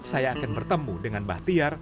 saya akan bertemu dengan mbah tiar